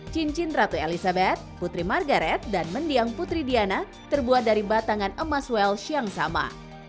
cincin ratu elizabeth putri margaret dan mendiang putri diana terbuat dari batangan emas wells yang sama